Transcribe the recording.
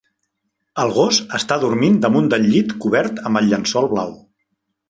El gos està dormint damunt del llit cobert amb el llençol blau.